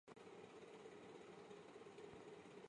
阿马加龙的化石是一个相当完整的骨骼。